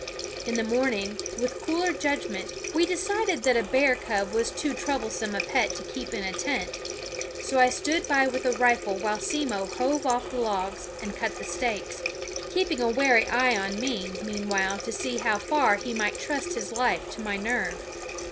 In the morning, with cooler judgment, we decided that a bear cub was too troublesome a pet to keep in a tent ; so I stood by with a rifle while Simmo hove off the logs and cut the stakes, keeping a wary eye on me, meanwhile, to see how far he might trust his life to my nerve.